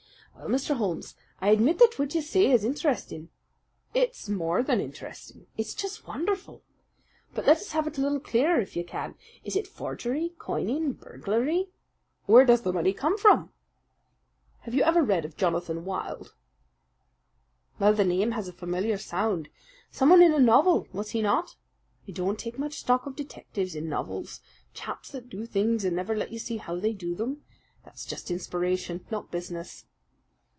"Well, Mr. Holmes, I admit that what you say is interesting: it's more than interesting it's just wonderful. But let us have it a little clearer if you can. Is it forgery, coining, burglary where does the money come from?" "Have you ever read of Jonathan Wild?" "Well, the name has a familiar sound. Someone in a novel, was he not? I don't take much stock of detectives in novels chaps that do things and never let you see how they do them. That's just inspiration: not business."